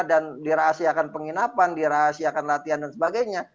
dan dirahasiakan penginapan dirahasiakan latihan dan sebagainya